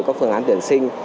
các phương án tuyển sinh